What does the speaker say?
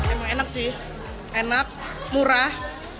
emang enak sih enak murah